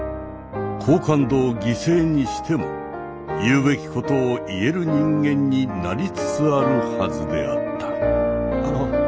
好感度を犠牲にしても言うべきことを言える人間になりつつあるはずであった。